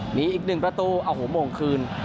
หนีอีก๑ประตูโอ้เฮ้โหโหมงคืน